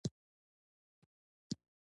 هلته مېز او څوکۍ هم اېښودل شوي وو